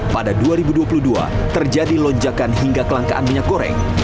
pada dua ribu dua puluh dua terjadi lonjakan hingga kelangkaan minyak goreng